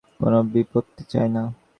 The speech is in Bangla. কোন বিপত্তি চাই না।